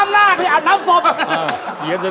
แม่หน้าของพ่อหน้าของพ่อหน้าของพ่อหน้า